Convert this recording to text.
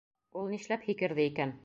Ул нишләп һикерҙе икән?